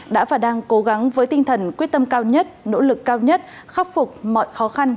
đã và đang cố gắng với tinh thần quyết tâm cao nhất nỗ lực cao nhất khắc phục mọi khó khăn